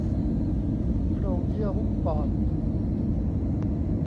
โพรงเยื่อหุ้มปอด